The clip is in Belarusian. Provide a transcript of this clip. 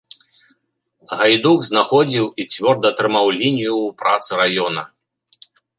Гайдук знаходзіў і цвёрда трымаў лінію ў працы раёна.